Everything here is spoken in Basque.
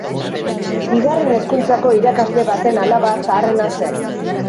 Bigarren hezkuntzako irakasle baten alaba zaharrena zen.